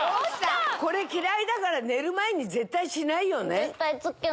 これ嫌いだから寝る前に絶対しないよね。